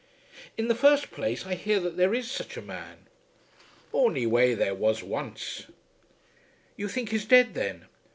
"In the first place I hear that there is such a man." "Ony way there was once." "You think he's dead then?"